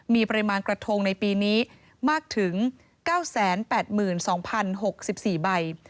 มีปริมาณกระทงในปีนี้มากถึง๙๘๒๐๖๔ใบ